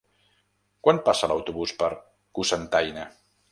Quan passa l'autobús per Cocentaina?